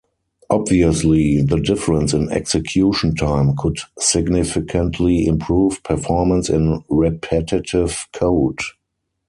Obviously, the difference in execution time could significantly improve performance in repetitive code.